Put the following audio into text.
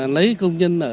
lấy công nhân ở chợ